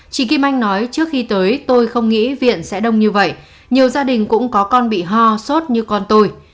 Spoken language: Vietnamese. chị kim anh nói trước khi tới tôi không nghĩ viện sẽ đông như vậy nhiều gia đình cũng có con bị ho sốt như con tôi